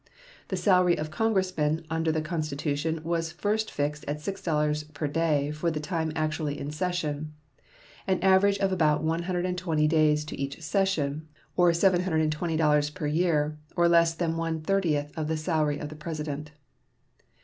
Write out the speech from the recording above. The salary of Congressmen under the Constitution was first fixed at $6 per day for the time actually in session an average of about one hundred and twenty days to each session or $720 per year, or less than one thirtieth of the salary of the President.